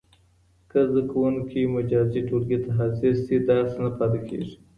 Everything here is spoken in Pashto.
که زده کوونکی مجازي ټولګي ته حاضر سي، درس نه پاته کېږي.